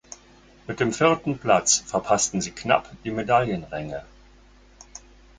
Mit dem vierten Platz verpassten sie knapp die Medaillenränge.